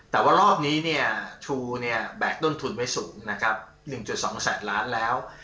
แต่ว่ารอบนี้ทูลแบกต้นทุนไว้สูง๑๒แสนล้านแล้ว